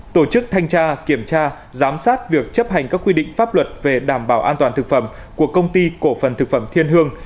tổ chức thanh tra kiểm tra giám sát việc chấp hành các quy định pháp luật về đảm bảo an toàn thực phẩm của công ty cổ phần thực phẩm thiên hương